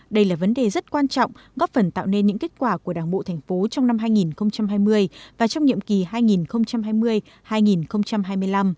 đây là vấn đề rất quan trọng góp phần tạo nên những kết quả của đảng bộ thành phố trong năm hai nghìn hai mươi và trong nhiệm kỳ hai nghìn hai mươi hai nghìn hai mươi năm